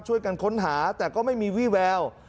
ช่วยกันค้นหาแต่ก็ไม่มีวี่แวว